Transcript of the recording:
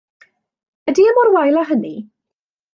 Ydi e mor wael â hynny?